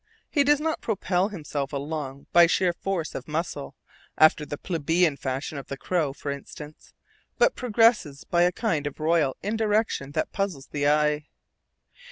He does not propel himself along by sheer force of muscle, after the plebeian fashion of the crow, for instance, but progresses by a kind of royal indirection that puzzles the eye.